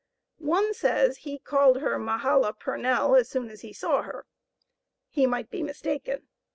One says he called her Mahala Purnell as soon as he saw her. He might be mistaken.